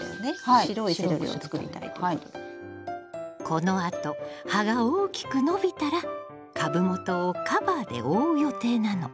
このあと葉が大きく伸びたら株元をカバーで覆う予定なの。